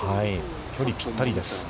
距離ぴったりです。